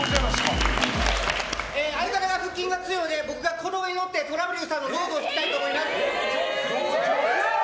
相方は腹筋が強いので僕がこの上にのって虎舞竜さんの「ロード」を弾きたいと思います。